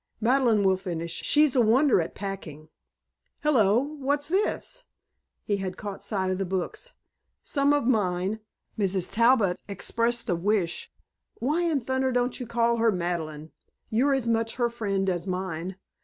"Madeleine will finish. She's a wonder at packing. Hello! What's this?" He had caught sight of the books. "Some of mine. Mrs. Talbot expressed a wish " "Why in thunder don't you call her Madeleine? You're as much her friend as mine....